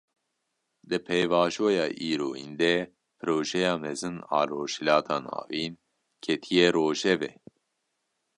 Di pêvajoya îroyîn de, Projeya Mezin a Rojhilata Navîn ketiye rojevê